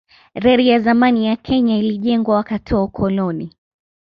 Reli ya zamani ya Kenya ilijengwa wakati wa ukoloni.